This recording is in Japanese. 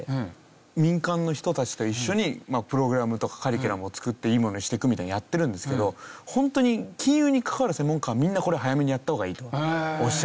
民間の人たちと一緒にプログラムとかカリキュラムを作っていいものにしていくみたいにやってるんですけどホントに金融に関わる専門家はみんなこれ早めにやった方がいいとおっしゃいますね。